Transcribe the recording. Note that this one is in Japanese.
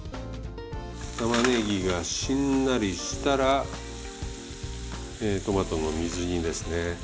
玉ねぎがしんなりしたらトマトの水煮ですね。